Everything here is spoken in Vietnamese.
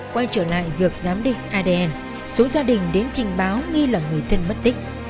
quay trở lại việc giám định adn số gia đình đến trình báo nghi là người thân mất tích